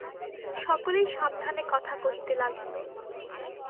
সকলেই সাবধানে কথা কহিতে লাগিল।